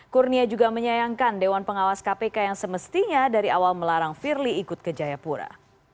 kurnia juga menyayangkan dewan pengawas kpk yang semestinya dari awal melarang firly ikut ke jayapura